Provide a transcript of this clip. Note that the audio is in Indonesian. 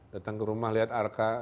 datang ke rumah lihat arka